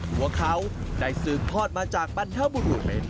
หัวเขาได้ซื้อพล็อตมาจากปรรถบุรุเมน